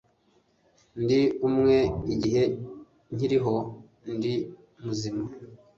ndi uwawe igihe nkiriho ndi muzima